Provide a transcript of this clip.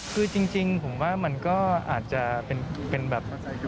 คือจริงผมว่ามันก็อาจจะเป็นแบบ